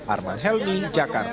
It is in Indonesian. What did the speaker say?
arman helmi jakarta